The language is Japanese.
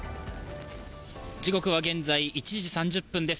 時刻は現在１時３０分です。